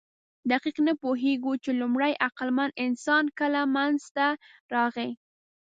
دقیق نه پوهېږو، چې لومړی عقلمن انسان کله منځ ته راغی.